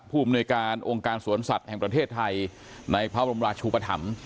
อำนวยการองค์การสวนสัตว์แห่งประเทศไทยในพระบรมราชูปธรรม